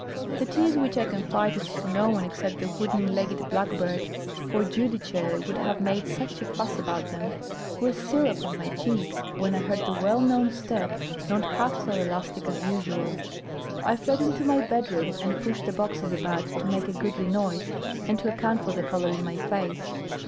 The tears, which I confided to no one except the wooden legged blackbird for Giudice would have made such a fuss about them were still upon my cheeks, when I heard the well known step not half so elastic as usual. I fled into my bedroom, and pushed the boxes about, to make a goodly noise, and to account for the colour in my face.